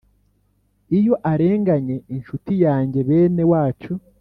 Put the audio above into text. iyo arenganye inshuti yanjye, bene wacu,